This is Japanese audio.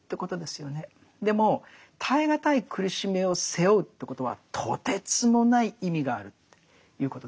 でも耐え難い苦しみを背負うということはとてつもない意味があるということですね。